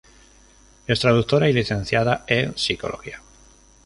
Es traductora y Licenciada en Psicología.